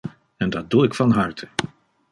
En dat doe ik van harte.